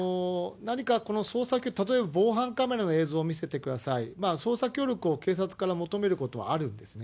何かこの捜査協力、防犯カメラの映像を見せてください、捜査協力を警察から求めることはあるんですね。